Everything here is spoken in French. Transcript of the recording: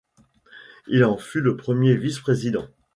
Il en fut le premier vice-président.